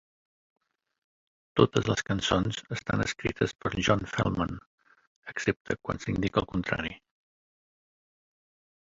Totes les cançons estan escrites per John Feldmann, excepte quan s'indica el contrari.